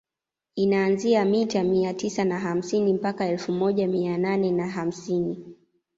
Inaanzia mita mia tisa na hamsini mpaka elfu moja mia nane na hamsini